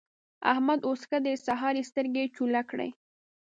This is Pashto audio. احمد اوس ښه دی؛ سهار يې سترګې چوله کړې.